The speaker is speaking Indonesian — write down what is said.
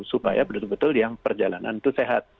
supaya betul betul yang perjalanan itu sehat